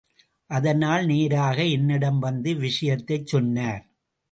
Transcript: அதனால் நேராக என்னிடம் வந்து விஷயத்தைச்சொன்னார்.